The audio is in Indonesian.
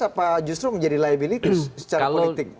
atau justru menjadi liabilitas secara politik